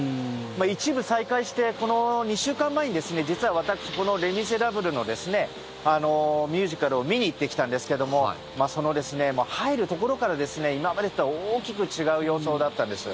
一部再開してこの２週間前に実は私この「レ・ミゼラブル」のミュージカルを見に行ってきたんですけど入るところから今までとは大きく違う様相だったんです。